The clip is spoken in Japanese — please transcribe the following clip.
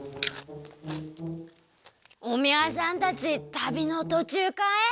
おみゃさんたちたびのとちゅうかえ？